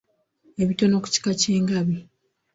Ebitono ku kika ky'engabi.